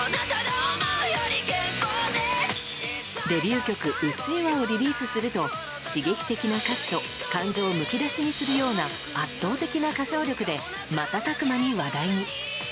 デビュー曲「うっせぇわ」をリリースすると刺激的な歌詞と感情をむき出しにするような圧倒的な歌唱力で瞬く間に話題に。